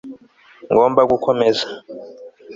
Ngomba gukomeza